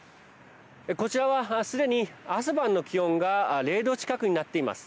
こちらは、すでに朝晩の気温が０度近くになっています。